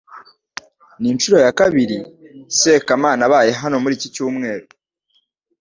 Ni inshuro ya kabiri Sekamana abaye hano muri iki cyumweru